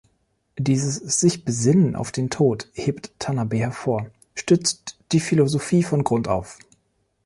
Dieses Sich-Besinnen auf den Tod, hebt Tanabe hervor, stützt die Philosophie „von Grund auf“.